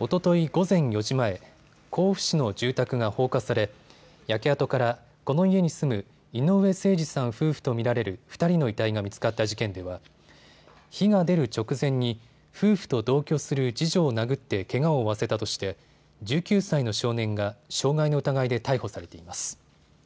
おととい午前４時前、甲府市の住宅が放火され焼け跡から、この家に住む井上盛司さん夫婦と見られる２人の遺体が見つかった事件では火が出る直前に夫婦と同居する次女を殴ってけがを負わせたとして１９歳の少年が傷害の疑いで逮捕されています。